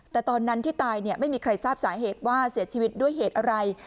แต่ตอนนั้นที่ตายไม่มีใครทราบสาเหตุว่าเสียชีวิตด้วยเหตุอะไร